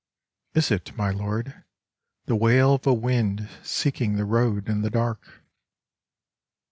Is it, my Lord, the wail of a wind seeking the road in the dark?